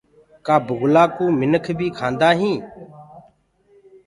ڪآ بُگلآ منک بي کآندآ هين؟